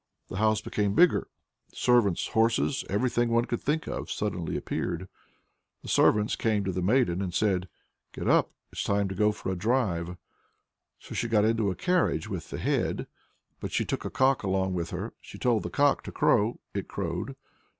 The house became bigger; servants, horses, everything one could think of suddenly appeared. The servants came to the maiden, and said, 'Get up! it's time to go for a drive!' So she got into a carriage with the Head, but she took a cock along with her. She told the cock to crow; it crowed.